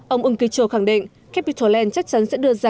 ông ưng kỳ châu khẳng định capital land chắc chắn sẽ đưa ra